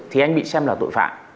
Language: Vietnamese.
thì anh bị xem là tội phạm